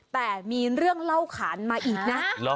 แต่มีเรื่องเล่าขานมาอีกนะ